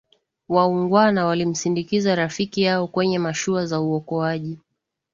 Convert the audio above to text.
waungwana walimsindikiza rafiki yao kwenye mashua za uokoaji